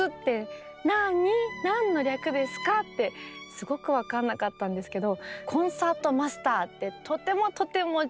すごく分かんなかったんですけど。